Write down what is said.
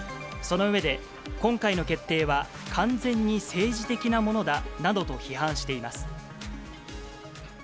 その上で、今回の決定は完全に政治的なものだなどと批判しています。